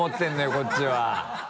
こっちは。